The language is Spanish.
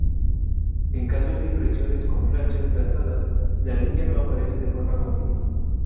En casos de impresiones con planchas gastadas, la línea no aparece de forma continua.